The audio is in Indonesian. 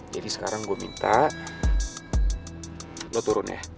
jadi sekarang gue minta lo turun ya